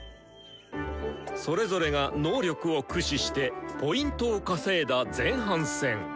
それぞれが能力を駆使してＰを稼いだ前半戦。